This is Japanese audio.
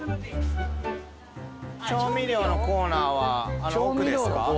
調味料のコーナーはあの奥ですか？